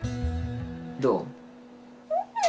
どう？